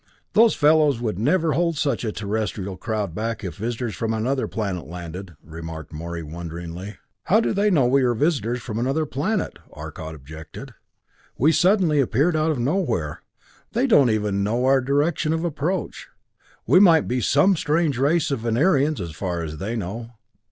"Those fellows would never hold such a Terrestrial crowd back if visitors from another planet landed!" remarked Morey wonderingly. "How do they know we are visitors from another planet?" Arcot objected. "We suddenly appeared out of nowhere they don't even know our direction of approach. We might be some strange race of Venerians as far as they know."